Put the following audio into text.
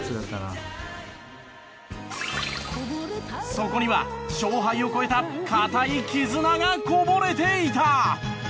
そこには勝敗を超えた固い絆がこぼれていた。